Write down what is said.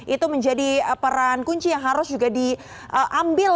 itu menjadi peran kunci yang harus juga diambil